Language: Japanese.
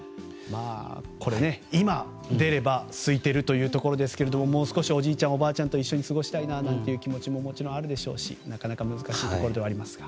今、出ればすいているというところですがもう少しおじいちゃんおばあちゃんと過ごしたいなという気持ちももちろん、あるでしょうしなかなか難しいところではありますが。